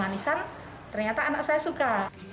jadi manisan ternyata anak saya suka